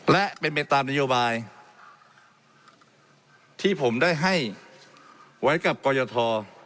และเป็นไปตามนโยบายที่ผมได้ให้ไว้กับกรยท